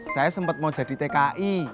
saya sempat mau jadi tki